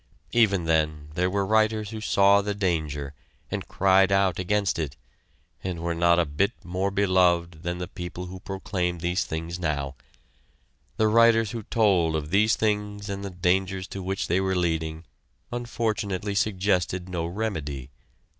Even then, there were writers who saw the danger, and cried out against it, and were not a bit more beloved than the people who proclaim these things now. The writers who told of these things and the dangers to which they were leading unfortunately suggested no remedy.